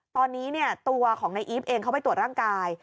ตอนนี้ตัวของนายอีฟเองเขาไปตรวจร่างกาย